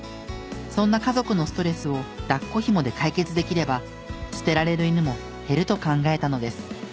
そんな家族のストレスを抱っこ紐で解決できれば捨てられる犬も減ると考えたのです。